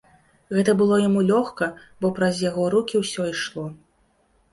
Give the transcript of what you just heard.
Гэта было яму лёгка, бо праз яго рукі ўсё ішло.